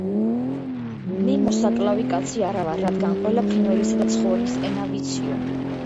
მე მოსაკლავი კაცი არა ვარ, რადგან ყველა ფრინველისა და ცხოველის ენა ვიციო.